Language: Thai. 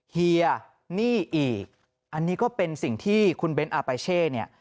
เฮียหนี้อีกอันนี้ก็เป็นสิ่งที่คุณเบ้นอาปาเช่เนี่ย